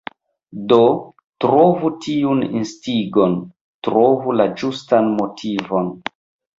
Do, trovu tiun instigon, Trovu la ĝustan motivon.